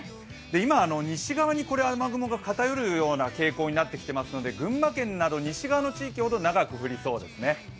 今西側に雨雲が偏るような傾向になってきていますので群馬県など西側の地域ほど長く降りそうですね。